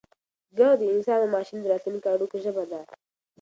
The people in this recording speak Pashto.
ږغ د انسان او ماشین د راتلونکو اړیکو ژبه ده.